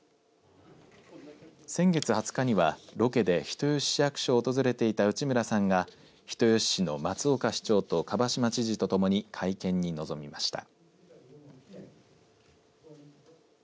先月２０日にはロケで人吉市役所を訪れていた内村さんが人吉市の松岡市長と蒲島知事とともに会見に臨みました。